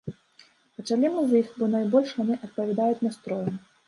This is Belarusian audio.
Пачалі мы з іх, бо найбольш яны адпавядаюць настрою.